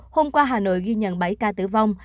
hôm qua hà nội ghi nhận bảy ca tử vong